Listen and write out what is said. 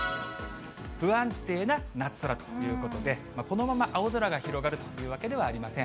不安定な夏空ということで、このまま青空が広がるというわけではありません。